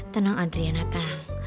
tenang adriana tenang